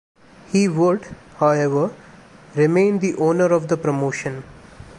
He would, however, remain the owner of the promotion.